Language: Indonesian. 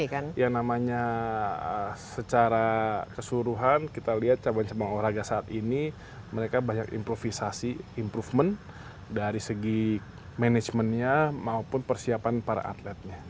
ya yang namanya secara keseluruhan kita lihat cabang cabang olahraga saat ini mereka banyak improvisasi improvement dari segi manajemennya maupun persiapan para atletnya